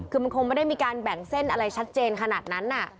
คือมันคงไม่ได้มีการแบ่งเส้นอะไรชัดเจนขนาดนั้น